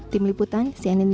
tim liputan cnn indonesia